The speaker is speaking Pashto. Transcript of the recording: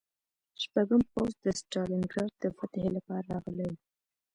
شپږم پوځ د ستالینګراډ د فتحې لپاره راغلی و